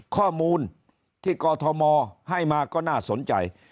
ข้อมูลที่กอทมให้มาก็น่าสนใจ